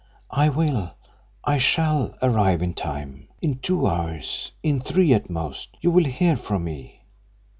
"I will I shall arrive in time. In two hours in three at most you will hear from me."